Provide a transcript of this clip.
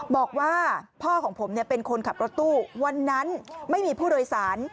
บอกว่าพ่อของผมเป็นคนขับรถตู้วันนั้นไม่มีผู้โดยสาร